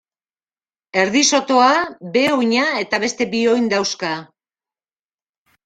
Erdisotoa, behe-oina eta beste bi oin dauzka.